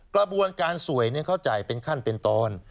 กระบวนการสวยเขาจ่ายเป็นขั้นเป็นตอน